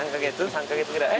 ３カ月ぐらい？